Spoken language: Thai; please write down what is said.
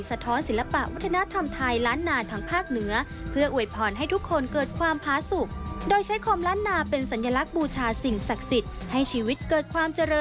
สะท้อนศิลปะวัฒนธรรมไทยล้านนานทั้งภาคเหนือ